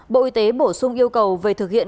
bộ y tế bổ sung yêu cầu về thực hiện